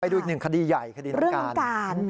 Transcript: ดูอีกหนึ่งคดีใหญ่คดีรังการ